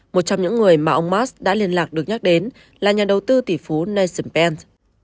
một trong những người mà ông mars đã liên lạc được nhắc đến là nhà đầu tư tỷ phú nasion pence